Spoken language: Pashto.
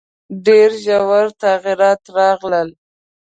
ډېر ژور تغییرات راغلل.